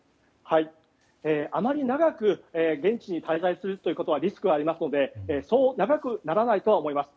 あまり長く現地に滞在するということはリスクがありますのでそう長くならないとは思います。